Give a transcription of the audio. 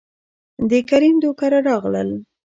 دکريم دو کره راغلل،